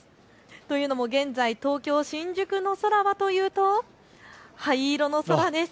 というのも現在、東京新宿の空はというと灰色の空です。